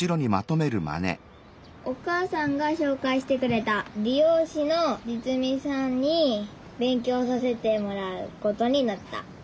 お母さんがしょうかいしてくれたりようしの實美さんにべんきょうさせてもらうことになった。